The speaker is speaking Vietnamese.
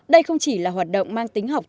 đây không chỉ là hoạt động mang tính học